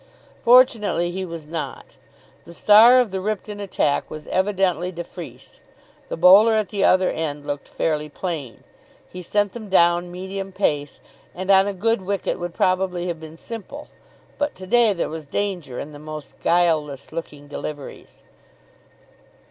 Fortunately he was not. The star of the Ripton attack was evidently de Freece. The bowler at the other end looked fairly plain. He sent them down medium pace, and on a good wicket would probably have been simple. But to day there was danger in the most guileless looking deliveries.